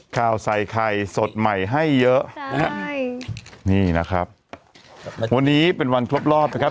ข่าวใส่ไข่สดใหม่ให้เยอะนะฮะใช่นี่นะครับวันนี้เป็นวันครบรอบนะครับ